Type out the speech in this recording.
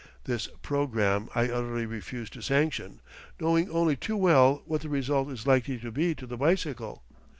This programme I utterly refuse to sanction, knowing only too well what the result is likely to be to the bicycle.